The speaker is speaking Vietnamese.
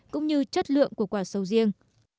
cũng như chất lượng của quả sầu riêng